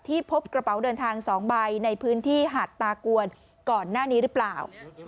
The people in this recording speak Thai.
พบกระเป๋าเดินทาง๒ใบในพื้นที่หาดตากวนก่อนหน้านี้หรือเปล่า